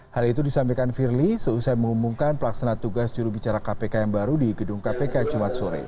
hal itu disampaikan firly seusai mengumumkan pelaksana tugas jurubicara kpk yang baru di gedung kpk jumat sore